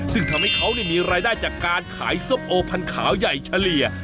ซึ่งทำให้เขามีรายได้จากการขายส้มโอพันขาวใหญ่เฉลี่ย